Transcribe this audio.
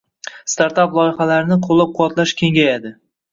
Startap loyihalarni qo‘llab-quvvatlash kengayading